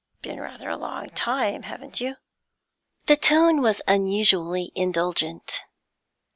'Been rather a long time, haven't you?' The tone was unusually indulgent.